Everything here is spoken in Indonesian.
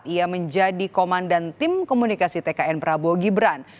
ia menjadi komandan tim komunikasi tkn prabowo gibran